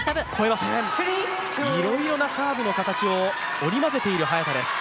いろいろなサーブの形を織り交ぜている早田です。